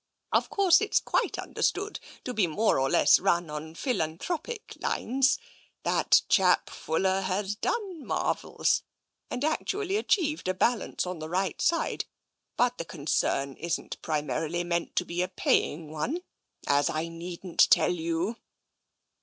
Of course, it's quite understood to be more or less run on philanthropic lines. That chap Fuller has done marvels, and actually achieved a balance on the right side, but the concern isn't primarily meant to be a paying one, as I needn't tell you."